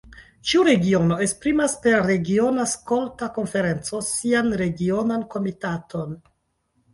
Ĉiu regiono esprimas per regiona skolta konferenco sian regionan komitaton.